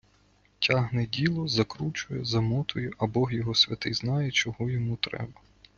Тягне діло, закручує, замотує, а бог його святий знає, чого йому треба.